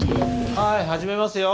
はいはじめますよ。